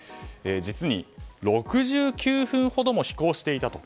実に６９分ほども飛行していたと。